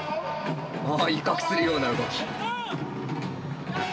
威嚇するような動き。